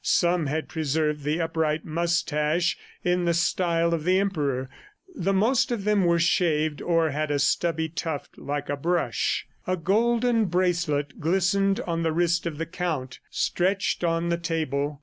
Some had preserved the upright moustache in the style of the Emperor; the most of them were shaved or had a stubby tuft like a brush. A golden bracelet glistened on the wrist of the Count, stretched on the table.